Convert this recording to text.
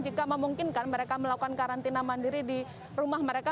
jika memungkinkan mereka melakukan karantina mandiri di rumah mereka